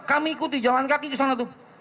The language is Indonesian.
kami ikuti jalan kaki kesana tuh